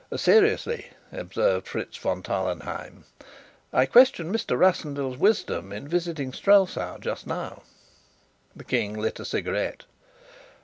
"Seriously," observed Fritz von Tarlenheim, "I question Mr. Rassendyll's wisdom in visiting Strelsau just now." The King lit a cigarette.